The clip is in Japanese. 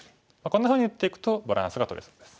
こんなふうに打っていくとバランスがとれそうです。